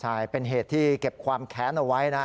ใช่เป็นเหตุที่เก็บความแค้นเอาไว้นะ